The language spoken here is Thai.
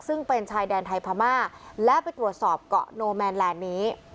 ซึ่งเป็นชายแดนไทยพม่าและไปตรวจสอบเกาะโนแมนแลนด์นี้